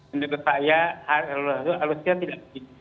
jadi menurut saya